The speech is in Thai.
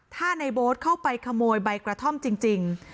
ถ้าในโบ๊ทเข้าไปขโมยใบกระท่อมจริง